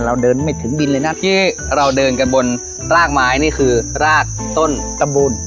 เราเดินไม่ถึงบินเลยนะที่เราเดินกันบนรากไม้นี่คือรากต้นตะบุญ